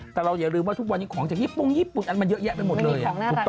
แต่เราอย่าลืมว่าทุกวันนี้ของจากญี่ปุ้งญี่ปุ่นอันมันเยอะแยะไปหมดเลย